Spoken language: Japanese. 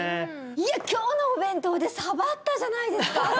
いや今日のお弁当でサバあったじゃないですか